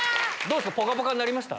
ポカポカになりました？